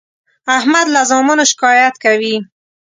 احمد له زامنو شکایت کوي.